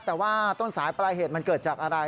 แต่ว่าต้นสายปลายเหตุมันเกิดจากอะไร